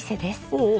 おお！